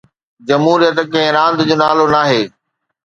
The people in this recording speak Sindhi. جمهوريت ڪنهن راند جو نالو ناهي.